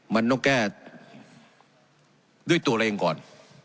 มันต้องแก้ด้วยตัวเราเองก่อน